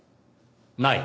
「ない」